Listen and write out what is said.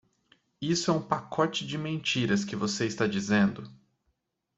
Isso é um pacote de mentiras que você está dizendo!